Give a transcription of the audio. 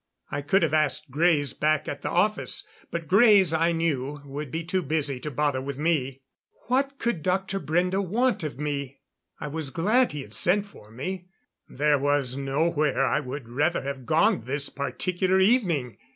I could have asked Greys back at the office. But Greys, I knew, would be too busy to bother with me. What could Dr. Brende want of me? I was glad he had sent for me there was nowhere I would rather have gone this particular evening.